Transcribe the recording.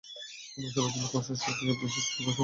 আমরা সবাই জানি, প্রশাসকত্ব বিশেষ কোনও সম্মান নয়।